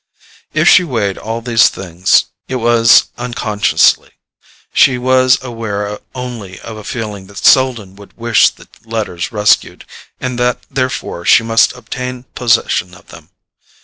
If she weighed all these things it was unconsciously: she was aware only of feeling that Selden would wish the letters rescued, and that therefore she must obtain possession of them.